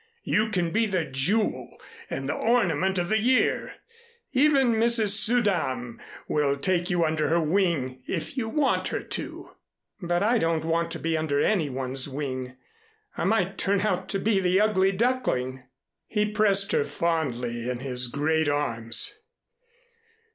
You can be the jewel and the ornament of the year. Even Mrs. Suydam will take you under her wing, if you want her to." "But I don't want to be under any one's wing. I might turn out to be the ugly duckling." He pressed her fondly in his great arms.